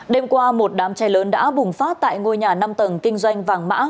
đêm qua một đám cháy lớn đã bùng phát tại ngôi nhà năm tầng kinh doanh vàng mã